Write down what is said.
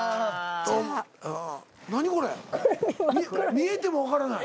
見えても分からない。